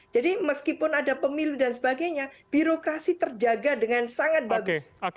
jadi meskipun ada pemilu dan sebagainya birokrasi terjaga dengan sangat bagus